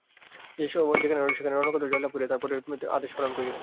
সেখানে রণক্ষেত্রে জয়লাভ করিয়া তার পরে তোমার আদেশ পালন করিয়ো।